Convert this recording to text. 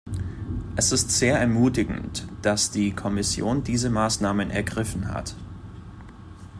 Es ist sehr ermutigend, dass die Kommission diese Maßnahmen ergriffen hat.